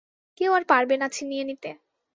কেউ আর পারবে না ছিনিয়ে নিতে।